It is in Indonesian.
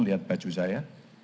lihat baju saya